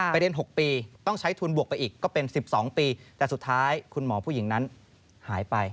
เรียน๖ปีต้องใช้ทุนบวกไปอีกก็เป็น๑๒ปีแต่สุดท้ายคุณหมอผู้หญิงนั้นหายไป